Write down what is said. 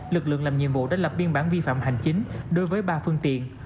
lực lượng làm nhiệm vụ đã lập biên bản vi phạm hành chính đối với ba phương tiện